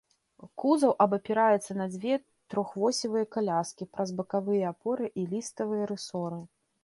Кузаў абапіраецца на дзве трохвосевыя каляскі праз бакавыя апоры і ліставыя рысоры.